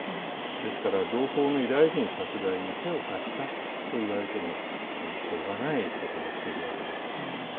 ですから同胞のユダヤ人殺害に手を貸したといわれてもしょうがないことをしているわけです。